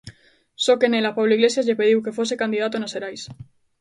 Só que nela Pablo Iglesias lle pediu que fose candidato nas xerais.